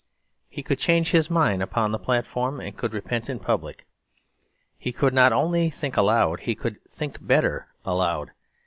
He could change his mind upon the platform: he could repent in public. He could not only think aloud; he could "think better" aloud.